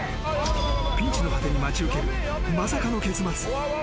ピンチの果てに待ち受けるまさかの結末。